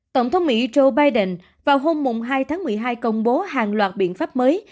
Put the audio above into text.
tổng thống mỹ joe biden vào hôm hai tháng một mươi hai công bố hàng loạt biện pháp mới